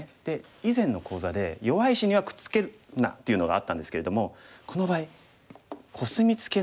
以前の講座で弱い石にはくっつけるなというのがあったんですけれどもこの場合コスミツケの場合はいいんです。